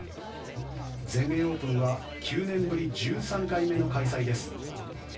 全英オープンは９年ぶり１３回目の開催です。